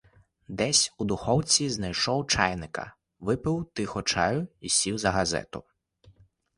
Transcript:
Десь у духовці знайшов чайника, випив тихо чаю й сів за газету.